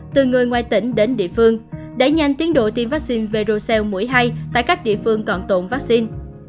từ người ngoại tỉnh đến địa phương để nhanh tiến độ tiêm vaccine verocell mũi hay tại các địa phương còn tổn vaccine